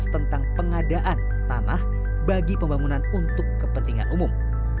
tentang pengadaan tanah bagi pembangunan untuk kepentingan umum